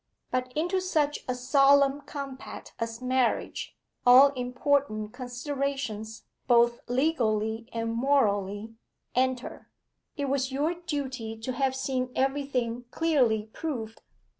'But into such a solemn compact as marriage, all important considerations, both legally and morally, enter; it was your duty to have seen everything clearly proved.